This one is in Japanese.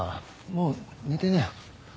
もう寝てなよ。